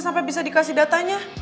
sampai bisa dikasih datanya